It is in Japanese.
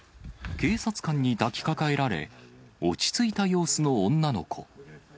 警察官に抱きかかえられ、落ち着いた様子の女の子。